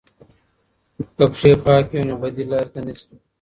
که پښې پاکې وي نو بدې لارې ته نه ځي.